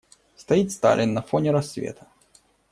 Стоит Сталин на фоне рассвета.